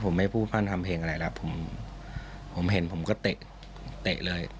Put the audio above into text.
ผมไม่พูดพันธ์ทำเพลงอะไรแหละผมเห็นผมก็เตะเลย